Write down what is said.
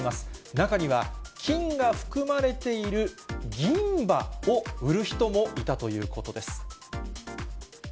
中には金が含まれている銀歯を売る人もいたということです。